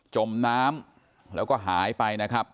จมน้ำแล้วก็หายไปนะครับ